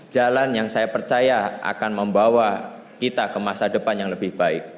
jalan yang saya percaya akan membawa kita ke masa depan yang lebih baik